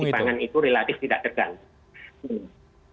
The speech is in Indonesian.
faktor kebaikan alam itu relatif tidak terganggu